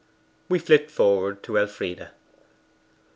We flit forward to Elfride.